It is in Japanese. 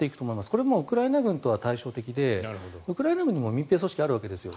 これはウクライナ軍とは対照的でウクライナにも民兵組織はあるわけです。